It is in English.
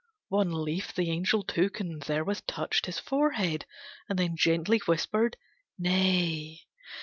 One leaf the Angel took and therewith touched His forehead, and then gently whispered "Nay!"